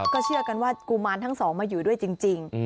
ก็เชื่อกันว่ากุมารทั้งสองมาอยู่ด้วยจริง